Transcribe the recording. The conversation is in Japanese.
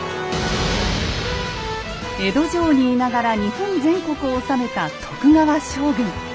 江戸城にいながら日本全国を治めた徳川将軍。